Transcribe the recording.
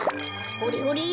ほれほれ。